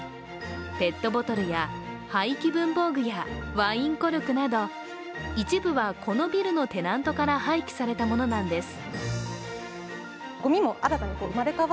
ペットボトルや廃棄文房具やワインコルクなど一部はこのビルのテナントから廃棄されたものなんです。